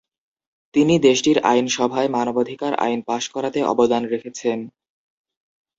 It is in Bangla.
তিনি দেশটির আইনসভায় মানবাধিকার আইন পাস করাতে অবদান রেখেছেন।